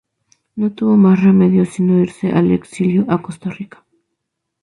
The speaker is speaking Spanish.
No tuvo más remedio sino irse al exilio a Costa Rica.